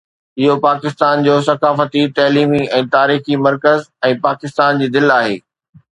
اهو پاڪستان جو ثقافتي، تعليمي ۽ تاريخي مرڪز ۽ پاڪستان جي دل آهي